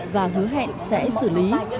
và hứa hẹn sẽ xử lý